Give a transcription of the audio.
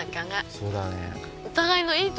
そうだね。